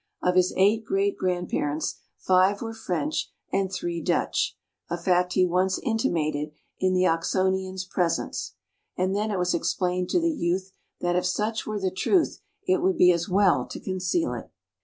Of his eight great grandparents, five were French and three Dutch, a fact he once intimated in the Oxonian's presence. And then it was explained to the youth that if such were the truth it would be as well to conceal it.